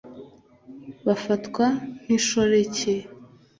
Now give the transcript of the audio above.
bafatwa nk’inshoreke